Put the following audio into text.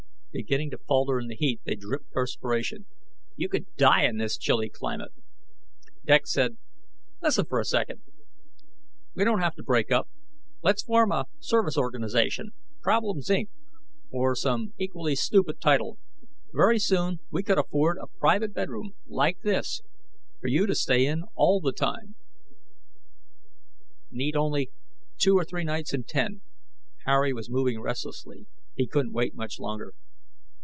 Beginning to falter in the heat, they dripped perspiration. "You could die in this chilly climate." Dex said, "Listen for a second. We don't have to break up. Let's form a service organization, 'Problems, Inc.' or some equally stupid title. Very soon we could afford a private bedroom, like this, for you to stay in all the time " "Need only two or three nights in ten." Harry was moving restlessly. He wouldn't wait much longer.